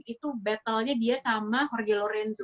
itu battlenya dia sama jorge lorenzo